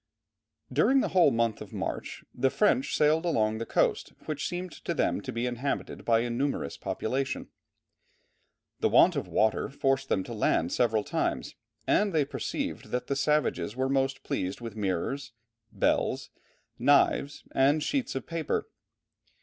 During the whole month of March the French sailed along the coast, which seemed to them to be inhabited by a numerous population. The want of water forced them to land several times, and they perceived that the savages were most pleased with mirrors, bells, knives, and sheets of paper.